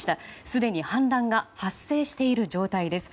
すでに氾濫が発生している状態です。